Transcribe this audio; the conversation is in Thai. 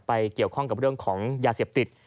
เกี่ยวข้องกับเรื่องของยาเสพติด